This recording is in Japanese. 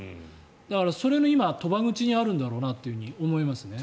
だから、それの今とば口にあるんだと思いますね。